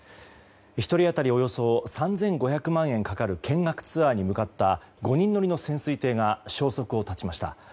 １人当たりおよそ３５００万円かかる見学ツアーに向かった５人乗りの潜水艇が消息を絶ちました。